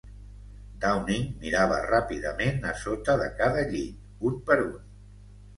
Downing mirava ràpidament a sota de cada llit, un per un.